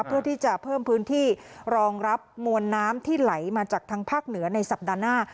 เพื่อที่จะเพิ่มพื้นที่รองรับมวลน้ำที่ไหลมาจากทางภาคเหนือในสัปดาห์หน้า